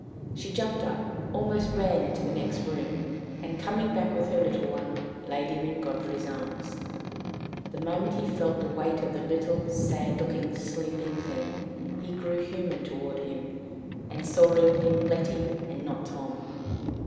She jumped up, almost ran into the next room, and, coming back with her little one, laid him in Godfrey's arms. The moment he felt the weight of the little, sad looking, sleeping thing, he grew human toward him, and saw in him Letty and not Tom.